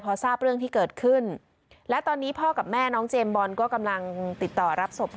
พอทราบเรื่องที่เกิดขึ้นและตอนนี้พ่อกับแม่น้องเจมส์บอลก็กำลังติดต่อรับศพ